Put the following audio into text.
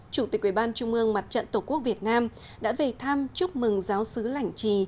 chủ tịch ủy ban trung ương mặt trận tổ quốc việt nam đã về thăm chúc mừng giáo sứ lảnh trì